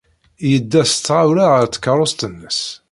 Yedda s tɣawla ɣer tkeṛṛust-nnes.